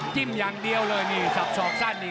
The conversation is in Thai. จิ้มอย่างเดียวเลยสกสอบสั้น